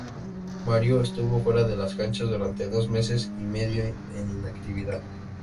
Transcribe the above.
Mario estuvo fuera de las canchas durante dos meses y medio en inactividad.